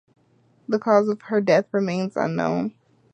The cause of her death remains unknown.